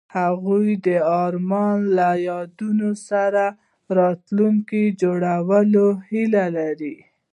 هغوی د آرمان له یادونو سره راتلونکی جوړولو هیله لرله.